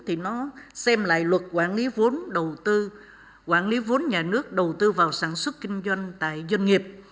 thì nó xem lại luật quản lý vốn nhà nước đầu tư vào sản xuất kinh doanh tại doanh nghiệp